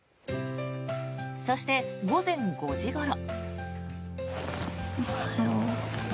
そして午前５時ごろ。